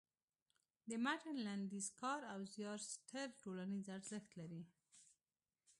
د متن لنډیز کار او زیار ستر ټولنیز ارزښت لري.